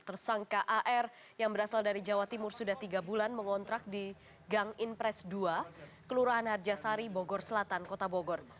tersangka ar yang berasal dari jawa timur sudah tiga bulan mengontrak di gang impres dua kelurahan harjasari bogor selatan kota bogor